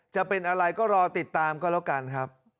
จะเป็นอะไรก็รอติดตามก็แล้วกันครับ